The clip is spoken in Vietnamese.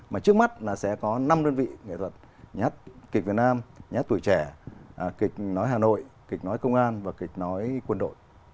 mà trước mắt là sẽ có năm đơn vị nghệ thuật hát kịch việt nam nhát tuổi trẻ kịch nói hà nội kịch nói công an và kịch nói quân đội